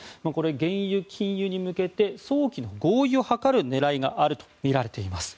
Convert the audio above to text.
原油禁輸に向けて早期の合意を図る狙いがあるとみられています。